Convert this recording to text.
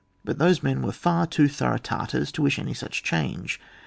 But these men were far too thorough Tartars to wish any such change.